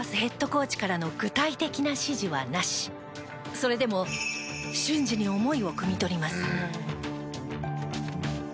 それでも瞬時に思いをくみ取ります。